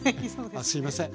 すいません。